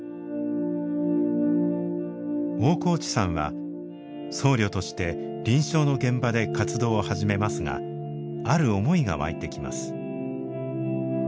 大河内さんは僧侶として臨床の現場で活動を始めますがある思いが湧いてきます。